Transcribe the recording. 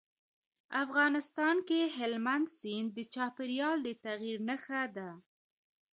افغانستان کې هلمند سیند د چاپېریال د تغیر نښه ده.